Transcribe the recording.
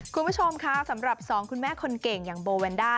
คุณผู้ชมค่ะสำหรับ๒คุณแม่คนเก่งอย่างโบแวนด้า